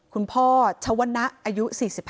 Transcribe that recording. คุณพ่อชวนะอายุ๔๕